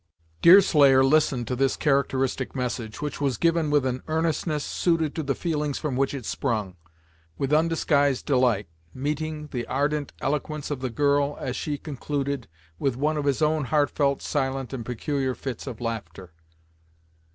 Deerslayer listened to this characteristic message, which was given with an earnestness suited to the feelings from which it sprung, with undisguised delight, meeting the ardent eloquence of the girl, as she concluded, with one of his own heartfelt, silent, and peculiar fits of laughter.